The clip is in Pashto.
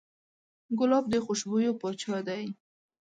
ګلاب د خوشبویو پاچا دی.